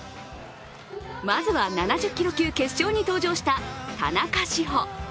まずは７０キロ級決勝に登場した田中志歩。